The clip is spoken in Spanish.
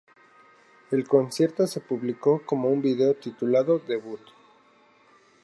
El concierto se publicó como un video, titulado "Debut!